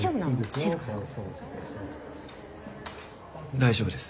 大丈夫です。